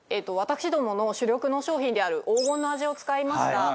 私どもの主力の商品である黄金の味を使いました。